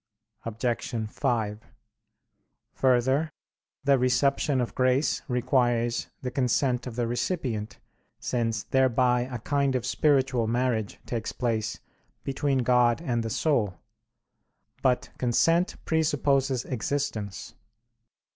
Obj. 5: Further, the reception of grace requires the consent of the recipient, since thereby a kind of spiritual marriage takes place between God and the soul. But consent presupposes existence.